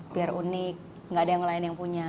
biar unik nggak ada yang lain yang punya